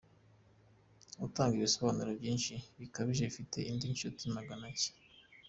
Atanga ibisobanuro byinshi bikabije, afite indi nshuti magara nshya